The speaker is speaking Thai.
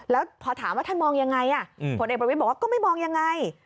แล้วพอถามว่าท่านมองยังไงผลเอกประวิทย์บอกว่าก็ไม่มองยังไง